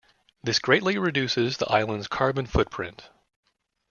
This greatly reduces the island's carbon footprint.